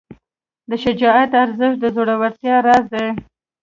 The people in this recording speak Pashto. د شجاعت ارزښت د زړورتیا راز دی.